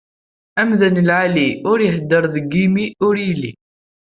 Amdan lɛali, ur iheddeṛ deg imi ur ili.